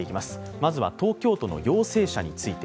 まずは東京都の陽性者について。